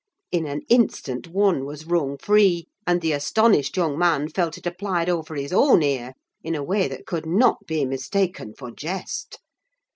In an instant one was wrung free, and the astonished young man felt it applied over his own ear in a way that could not be mistaken for jest.